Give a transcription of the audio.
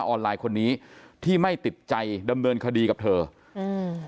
ออนไลน์คนนี้ที่ไม่ติดใจดำเนินคดีกับเธออืม